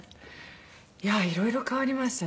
いやあいろいろ変わりましたね。